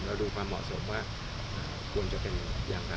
ดูความเหมาะสมว่าควรจะเป็นอย่างไร